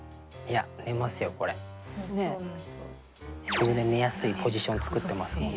自分で寝やすいポジション作ってますもんね。